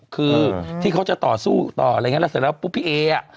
คือที่เขาจะต่อสู้ต่ออะไรอย่างเงี้แล้วเสร็จแล้วปุ๊บพี่เออ่ะ